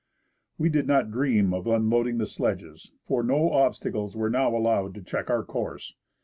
We did not dream of unloading the sledges, for no obstacles were now allowed to check our course.